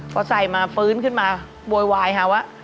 พอใส่มาฟื้นขึ้นมาโวยวายหาว่า